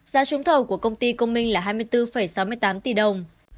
giá trúng thầu của công ty công minh là hai mươi bốn sáu mươi tám tỷ đồng